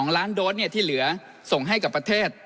๒ล้านโดสที่เหลือส่งให้กับประเทศ